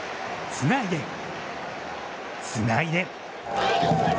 つないで、つないで。